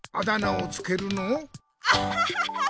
アハハハ！